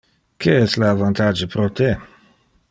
Que es le avantage pro te?